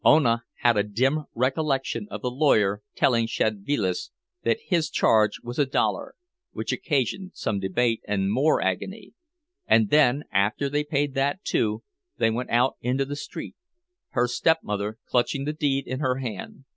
Ona had a dim recollection of the lawyer telling Szedvilas that his charge was a dollar, which occasioned some debate, and more agony; and then, after they had paid that, too, they went out into the street, her stepmother clutching the deed in her hand.